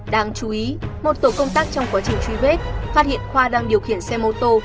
đáng chú ý một tổ công tác trong quá trình truy vết phát hiện khoa đang điều khiển xe mô tô